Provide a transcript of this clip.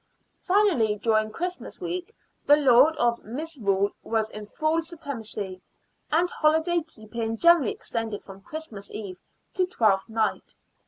Finally, during Christmas week, the lord of misrule was in full supremacy, and holiday keeping generally extended from Christmas Eve to Twelfth Night.